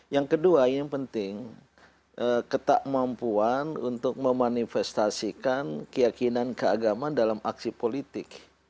yang kedua yang penting ketakmampuan untuk memanifestasikan keyakinan keagamaan dalam aksi politik